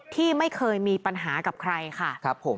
ที่ไม่เคยมีปัญหากับใครค่ะครับผม